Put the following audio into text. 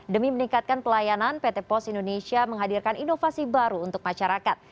demi meningkatkan pelayanan pt pos indonesia menghadirkan inovasi baru untuk masyarakat